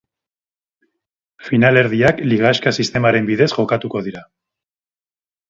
Finalerdiak ligaxka sistemaren bitartez jokatuko dira.